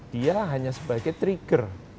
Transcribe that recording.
dia hanya sebagai trigger